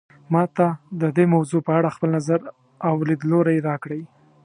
ما ته د دې موضوع په اړه خپل نظر او لیدلوری راکړئ